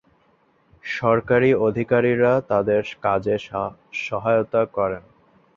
সরকারি আধিকারিকরা তাদের কাজে সহায়তা করেন।